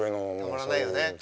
たまらないよね。